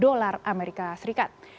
dolar amerika serikat